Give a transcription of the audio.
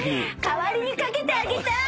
代わりにかけてあげたい！